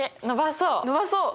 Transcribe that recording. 伸ばそう！